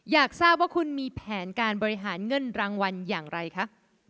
อยากทราบว่าคุณมีแผนการบริหารเงินรางวัลอย่างไรคะ